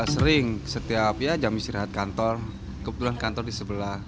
sering setiap jam istirahat kantor kebetulan kantor di sebelah